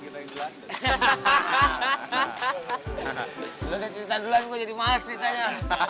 udah cerita duluan gue jadi males ceritanya